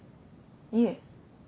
いえ。